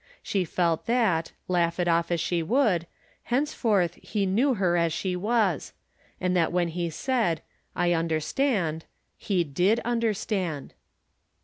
She felt that, laugh it off as she would, henceforth he knew her as she was ; and that when he said, " I ilnder gtand," he did understand.